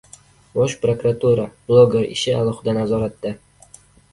Bosh prokuratura: «Bloger ishi» alohida nazoratda